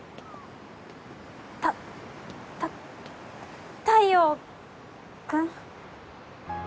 たた太陽君？